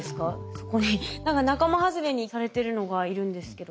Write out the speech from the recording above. そこに何か仲間外れにされてるのがいるんですけど。